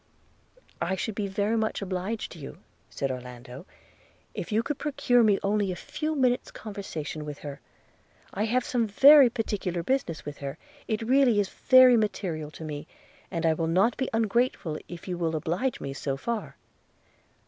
'I should be very much obliged to you,' said Orlando, 'if you could procure me only a few minutes conversation with her. I have some very particular business with her – it really is very material to me, and I will not be ungrateful if you will oblige me so far.'